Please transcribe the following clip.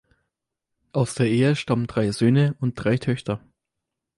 Aus der Ehe stammen drei Söhne und drei Töchter.